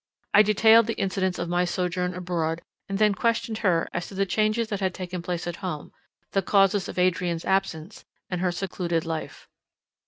I detailed the incidents of my sojourn abroad, and then questioned her as to the changes that had taken place at home, the causes of Adrian's absence, and her secluded life.